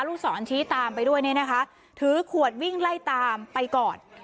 ลูกศรชี้ตามไปด้วยเนี่ยนะคะถือขวดวิ่งไล่ตามไปก่อน